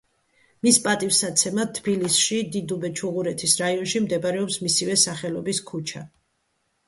მის პატივსაცემად თბილისში, დიდუბე-ჩუღურეთის რაიონში მდებარეობს მისივე სახელობის ქუჩა.